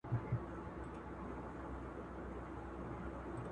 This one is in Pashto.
سياسي واک د خلکو له ملاتړه سرچينه نه اخلي.